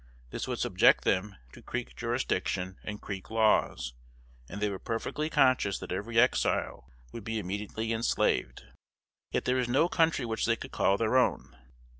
This would subject them to Creek jurisdiction and Creek laws; and they were perfectly conscious that every Exile would be immediately enslaved. Yet there was no country which they could call their own.